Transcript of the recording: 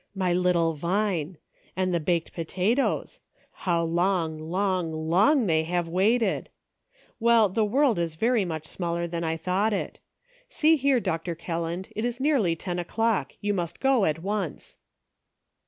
My little Vine ! and the baked potatoes ; how long, long, long they have waited ! Well, the world is very much smaller than I thought it ! See here, Dr. Kelland, it is nearly ten o'clock ; you must go at once."